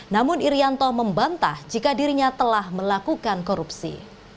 namun irianto membantah jika dirinya telah melakukan korupsi